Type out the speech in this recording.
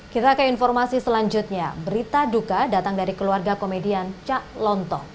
kita ke informasi selanjutnya berita duka datang dari keluarga komedian cak lontong